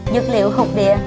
dược liệu hụt địa